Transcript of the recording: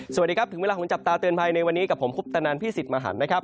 สวัสดีครับถึงเวลาของจับตาเตือนภัยในวันนี้กับผมคุปตนันพี่สิทธิ์มหันนะครับ